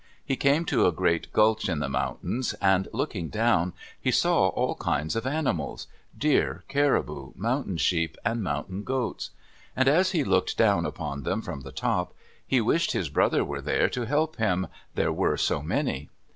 He came to a great gulch in the mountains, and looking down he saw all kinds of animals—deer, caribou, mountain sheep, and mountain goats. And as he looked down upon them from the top, he wished his brother were there to help him, there were so many.